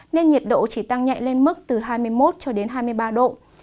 nên nhiệt độ chỉ tăng nhẹ lên mức từ hai mươi một cho đến hai mươi ba độ